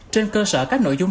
trên cơ sở các nội dung